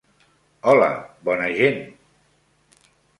Hola, bona gent.